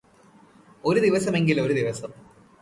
ഒരു ദിവസമെങ്കില് ഒരു ദിവസം